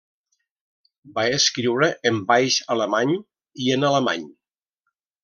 Va escriure en baix alemany i en alemany.